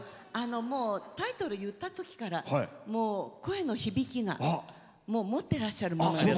もうタイトル言ったときからもう、声の響きが持ってらっしゃるもの。